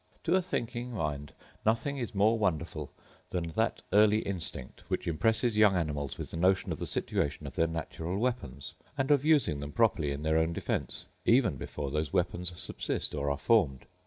To a thinking mind nothing is more wonderful than that early instinct which impresses young animals with the notion of the situation of their natural weapons, and of using them properly in their own defence, even before those weapons subsist or are formed.